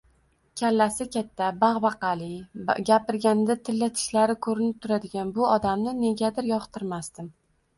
Kallasi katta, bagʻbaqali, gapirganida tilla tishlari koʻrinib turadigan bu odamni negadir yoqtirmasdim.